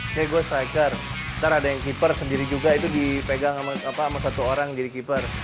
saya gue striker nanti ada yang keeper sendiri juga itu dipegang sama satu orang jadi keeper